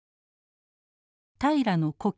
平良の故郷